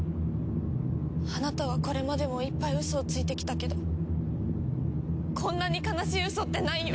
あなたはこれまでもいっぱいウソをついてきたけどこんなに悲しいウソってないよ！